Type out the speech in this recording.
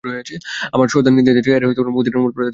আমাদের সর্দার নির্দেশ দেয় যে, এরা মদীনার প্রতারিত মুসলমান।